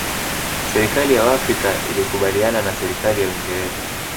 serikali ya waafrika ilikubaliana na serikali ya uingereza